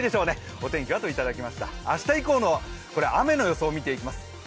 お天気は？といただきました明日以降の雨の予想見ていきます。